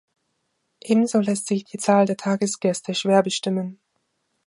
Ebenso lässt sich die Zahl der Tagesgäste schwer bestimmen.